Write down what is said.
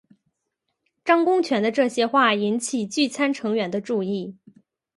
张公权的这些话引起聚餐成员的注意。